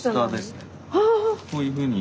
こういうふうに。